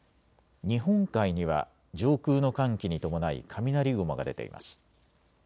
日本海には上空の寒気に伴い雷雲が出ています。